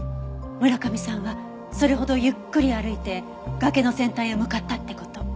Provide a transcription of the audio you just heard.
村上さんはそれほどゆっくり歩いて崖の先端へ向かったって事。